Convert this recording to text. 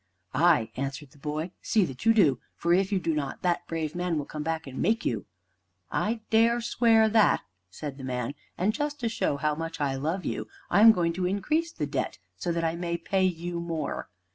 "Ay," answered the boy, "see that you do, for if you do not, that brave man will come back and make you." "I dare swear that," said the man. "And just to show how much I love you, I am going to increase the debt, so that I may pay you more.